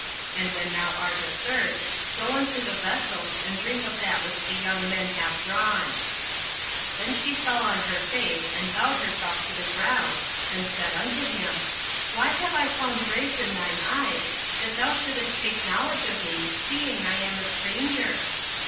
and when thou art athirst, go unto the vessels, and drink of that which the young men have drawn. 08:002:010 Then she fell on her face, and bowed herself to the ground, and said unto him, Why have I found grace in thine eyes, that thou shouldest take knowledge of me, seeing I am a stranger?